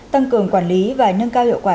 tăng cường quản lý và nâng cao hiệu quả